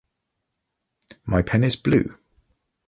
My pen is blue.